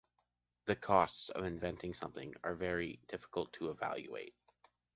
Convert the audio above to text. The costs of inventing something are very difficult to evaluate.